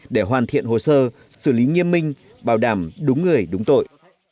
để hoàn thiện hồ sơ xử lý nghiêm minh bảo đảm đúng người đúng tội